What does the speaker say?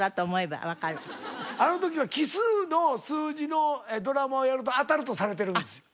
あの時は奇数の数字のドラマをやると当たるとされてるんです。